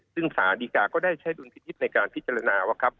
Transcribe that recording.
ซึ่งสารดีกาก็ได้ใช้ดุลพินิษฐ์ในการพิจารณาว่าครับ